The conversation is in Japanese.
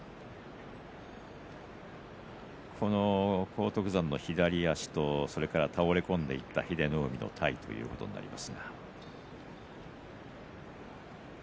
荒篤山の左足と倒れ込んでいった英乃海の体ということになります。